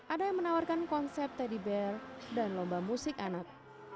ada yang menawarkan konsep teddy bear dan lomba musik anak